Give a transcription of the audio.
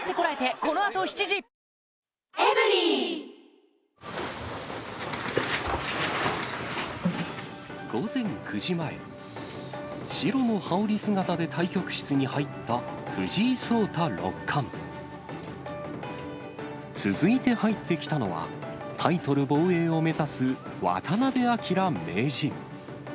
今日のチラシで午前９時前、白の羽織姿で対局室に入った藤井聡太六冠。続いて入ってきたのは、タイトル防衛を目指す渡辺明名人。